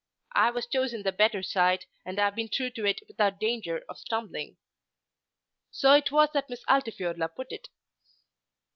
"I have chosen the better side, and have been true to it without danger of stumbling." So it was that Miss Altifiorla put it.